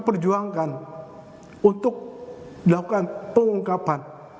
perjuangkan untuk dilakukan pengungkapan